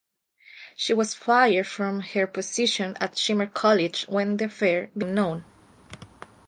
She was fired from her position at Shimer College when the affair became known.